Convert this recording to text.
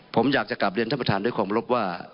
ผมอยากจะกลับเรียนท่านประธานด้วยความรบว่า